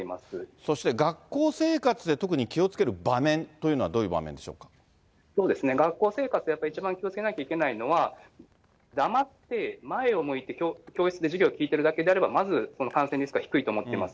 そして学校生活で特に気をつける場面というのはどういう場面学校生活、やっぱり一番気をつけなきゃいけないのは、黙って前を向いて教室で授業聞いているだけであれば、まずこの感染リスクは低いと思ってます。